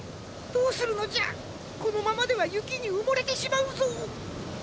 どうするのじゃこのままではゆきにうもれてしまうぞ。